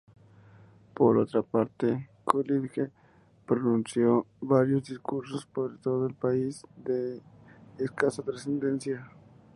Por otra parte, Coolidge pronunció varios discursos por todo el país, de escasa trascendencia.